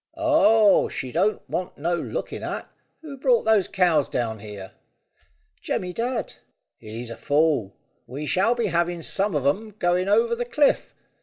"Oh, she don't want no looking at. Who brought those cows down here?" "Jemmy Dadd." "He's a fool. We shall be having some of 'em going over the cliff.